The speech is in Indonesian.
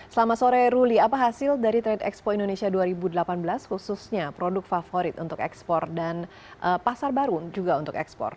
selamat sore ruli apa hasil dari trade expo indonesia dua ribu delapan belas khususnya produk favorit untuk ekspor dan pasar baru juga untuk ekspor